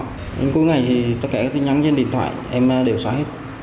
nhưng cuối ngày thì tất cả các tin nhắn trên điện thoại em đều xóa hết